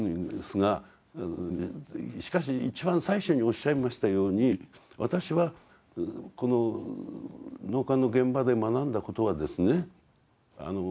しかし一番最初におっしゃいましたように私はこの納棺の現場で学んだことはですね